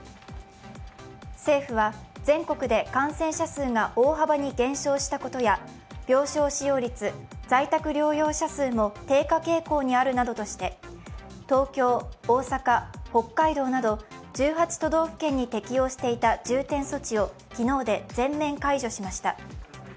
政府は全国で感染者数が大幅に減少したことや病床使用率、在宅療養者数も低下傾向にあるとして東京、大阪、北海道など１８都道府県に適用していた重点措置を昨日で全面解除しました。